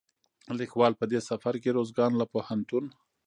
ليکوال په دې سفر کې روزګان له پوهنتون،